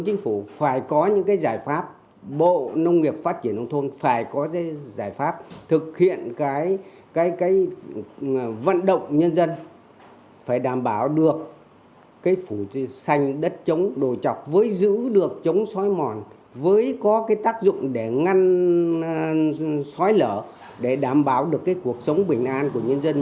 giải pháp thực hiện cái cái cái vận động nhân dân phải đảm bảo được cái phủ xanh đất chống đồ chọc với giữ được chống xói mòn với có cái tác dụng để ngăn xói lở để đảm bảo được cái cuộc sống bình an của nhân dân